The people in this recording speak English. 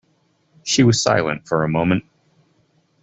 She was silent for a moment.